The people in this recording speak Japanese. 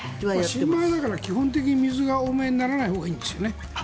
新米だから基本的に水が多めにならないほうがいいんですよね。